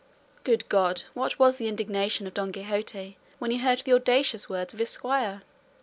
Good God, what was the indignation of Don Quixote when he heard the audacious words of his squire!